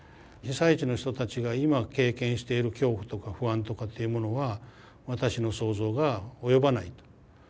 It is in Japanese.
被災地の人たちが今経験している恐怖とか不安とかっていうものは私の想像が及ばないと。